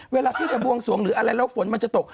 เวลาที่จะบวงสวงหรืออะไรแล้วฝนมันจะตก